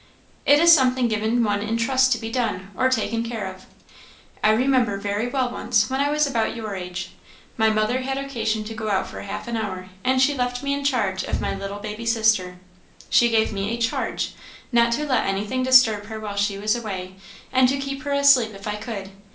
"It is something given one in trust to be done, or taken care of. I remember very well once, when I was about your age, my mother had occasion to go out for half an hour, and she left me in charge of my little baby sister; she gave me a charge not to let anything disturb her while she was away, and to keep her asleep if I could.